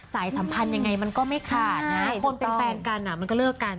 สายสัมพันธ์ยังไงมันก็ไม่ขาดนะคนเป็นแฟนกันมันก็เลิกกัน